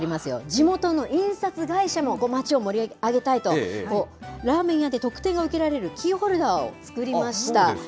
地元の印刷会社も町を盛り上げたいと、ラーメン屋で特典が受けられるキーホルダーを作りました。